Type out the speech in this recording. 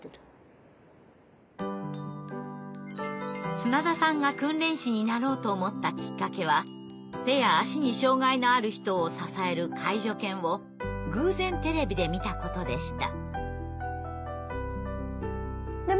砂田さんが訓練士になろうと思ったきっかけは手や足に障害のある人を支える介助犬を偶然テレビで見たことでした。